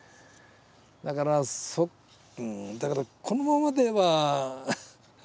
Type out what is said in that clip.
だからだからこのままでは。